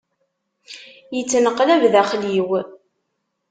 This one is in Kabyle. yettneqlab daxxel-iw.